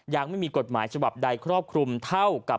ยังไม่มีกฎหมายฉบับใดครอบคลุมเท่ากับ